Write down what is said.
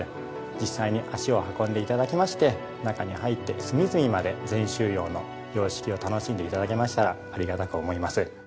実際に足を運んで頂きまして中に入って隅々まで禅宗様の様式を楽しんで頂けましたらありがたく思います。